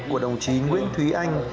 của đồng chí nguyễn thúy anh